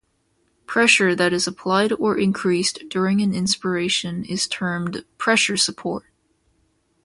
Pressure that is applied or increased during an inspiration is termed pressure support.